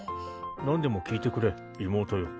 なんでも聞いてくれ妹よ。